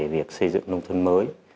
việc xây dựng nông thôn mới